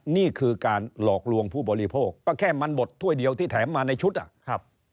นี่คือการหลอกลวงผู้บริโภคก็แค่มันบดถ้วยเดียวที่แถมมาในชุดอ่ะครับ